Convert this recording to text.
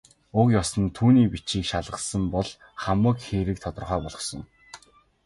Уг ёс нь түүний бичгийг шалгасан бол хамаг хэрэг тодорхой болохсон.